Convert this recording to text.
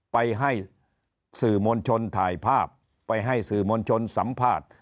ไปให้สื่อมวลชนถ่ายภาพไปให้สื่อมวลชนสัมภาษณ์